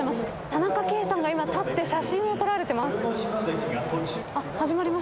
田中圭さんが今立って写真を撮られてます。